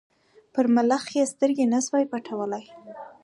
پر ملخ یې سترګي نه سوای پټولای